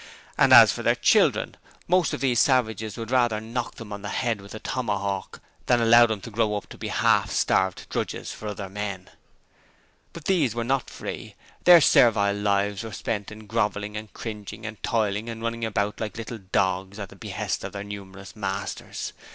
And as for their children most of those savages would rather knock them on the head with a tomahawk than allow them to grow up to be half starved drudges for other men. But these were not free: their servile lives were spent in grovelling and cringing and toiling and running about like little dogs at the behest of their numerous masters.